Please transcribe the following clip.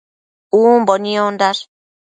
Umbo niondash